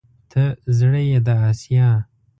ته زړه يې د اسيا